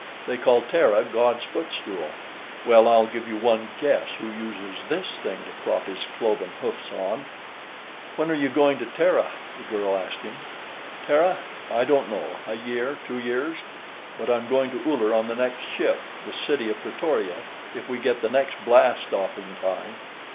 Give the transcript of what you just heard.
"They call Terra God's Footstool; well, I'll give you one guess who uses this thing to prop his cloven hoofs on." "When are you going to Terra?" the girl asked him. "Terra? I don't know, a year, two years. But I'm going to Uller on the next ship the City of Pretoria if we get the next blast off in time.